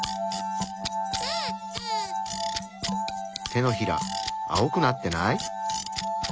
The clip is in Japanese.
手のひら青くなってない？